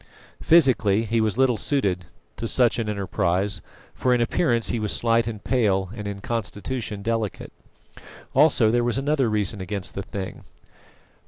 Physically he was little suited to such an enterprise, for in appearance he was slight and pale, and in constitution delicate. Also, there was another reason against the thing.